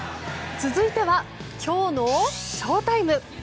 続いてはきょうのＳＨＯＴＩＭＥ！